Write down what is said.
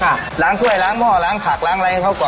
ครับล้างถ้วยล้างหม้อล้างผักล้างอะไรเท่าก่อน